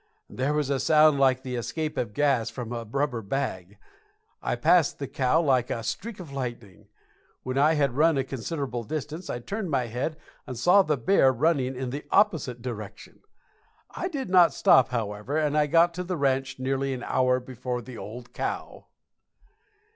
There was a sound like the escape of gas from a rubber bag. I passed the cow like a streak of lightning. When I had run a considerable distance I turned my head and saw the bear running in the opposite direction. I did not stop, however, and I got to the ranch nearly an hour before the old cow.